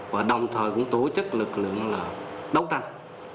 và đồng thời cũng tổ chức lực lượng là đấu tranh